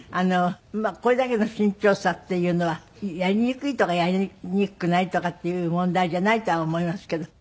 これだけの身長差っていうのはやりにくいとかやりにくくないとかっていう問題じゃないとは思いますけど。